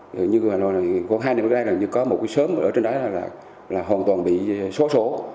còn hai năm trước đây có một sớm ở trên đó là hoàn toàn bị xố xố